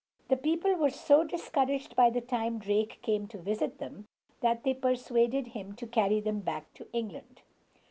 The people were so discouraged by the time Drake came to visit them, that they persuaded him to carry them back to England.